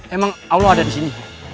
emang allah ada disini